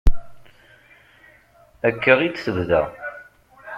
Akka i d-tebda.